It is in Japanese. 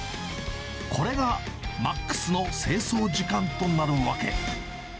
これがマックスの清掃時間となるわけ。